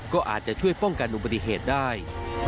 ก็อาจจะช่วยป้องกันอุบัติเหตุได้